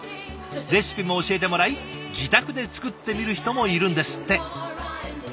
レシピも教えてもらい自宅で作ってみる人もいるんですって。